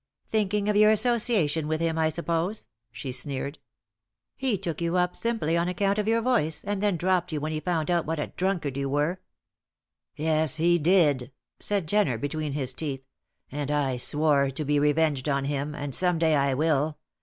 "Thinking of your association with him, I suppose?" she sneered. "He took you up simply on account of your voice, and then dropped you when he found out what a drunkard you were." "Yes, he did," said Jenner, between his teeth. "And I swore to be revenged on him; and some day I will.